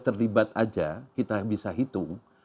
terlibat aja kita bisa hitung